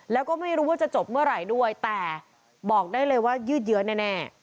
แล้วก็ไม่รู้ว่าจะจบเมื่อไหร่ด้วยแต่บอกได้เลยว่ายืดเยอะแน่